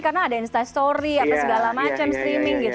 karena ada instastory atau segala macem streaming gitu